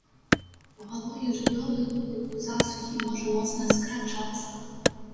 Пагалоўе жывёлы ў засухі можа моцна скарачацца.